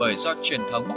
bởi do truyền thống